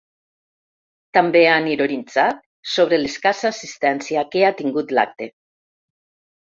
També han ironitzat sobre l’escassa assistència que ha tingut l’acte.